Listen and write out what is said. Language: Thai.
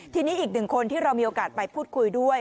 ทีนี้อีกหนึ่งคนที่เรามีโอกาสไปพูดคุยด้วย